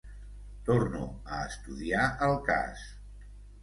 Torno a estudiar el cas.